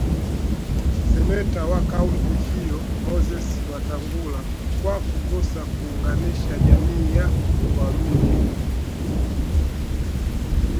seneta wa kaunti hiyo Moses Wetangula kwa kukosa kuunganisha jamii ya waluhya